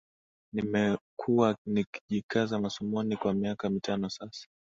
Nimekuwa nikijikaza masomoni kwa miaka mitano sasa